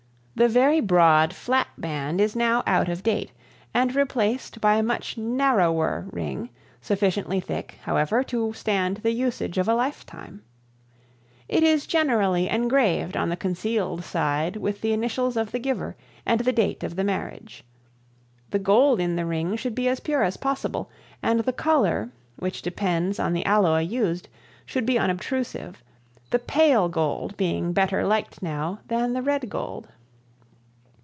The very broad, flat band is now out of date and replaced by a much narrower ring, sufficiently thick, however, to stand the usage of a lifetime. It is generally engraved on the concealed side with the initials of the giver and the date of the marriage. The gold in the ring should be as pure as possible, and the color, which depends on the alloy used, should be unobtrusive, the pale gold being better liked now than the red gold.